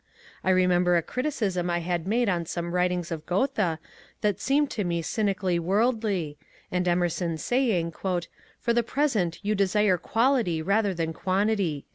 I remember a criticism I had made on some writings of Goethe that seemed to me cynically worldly, and Emerson saying, " For the present you desire quality rather than quantity."